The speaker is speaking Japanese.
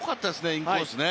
インコースね。